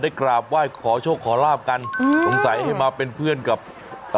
กราบไหว้ขอโชคขอลาบกันอืมสงสัยให้มาเป็นเพื่อนกับเอ่อ